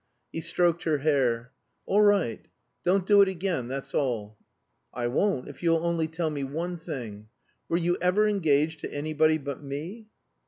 He stroked her hair. "All right. Don't do it again, that's all." "I won't if you'll only tell me one thing. Were you ever engaged to anybody but me?"